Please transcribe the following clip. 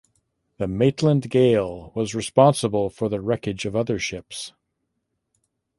The "Maitland Gale" was responsible for the wreckage of other ships.